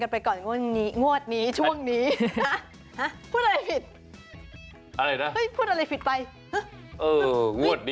พูดอะไรปิด